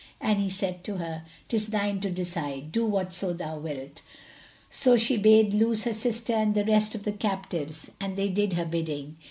And he said to her, "'Tis thine to decide; do whatso thou wilt." So she bade loose her sister and the rest of the captives, and they did her bidding.